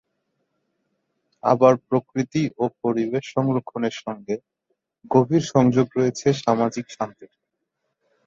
আবার প্রকৃতি ও পরিবেশ সংরক্ষণের সঙ্গে গভীর সংযোগ রয়েছে সামাজিক শান্তির।